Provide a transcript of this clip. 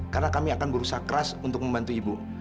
karena kami akan berusaha keras untuk membantu ibu